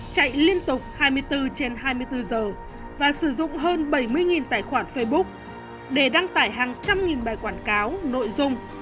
chạy liên tục hai mươi bốn trên hai mươi bốn giờ và sử dụng hơn bảy mươi tài khoản facebook để đăng tải hàng trăm nghìn bài quảng cáo nội dung